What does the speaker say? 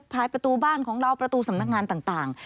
ภายประตูบ้านของเราประตูสำนักงานต่าง